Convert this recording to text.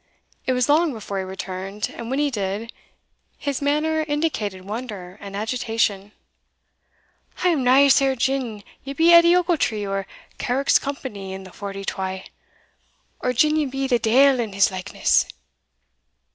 It was long before he returned, and when he did, his manner indicated wonder and agitation. "I am nae seer gin ye be Edie Ochiltree o' Carrick's company in the Forty twa, or gin ye be the deil in his likeness!"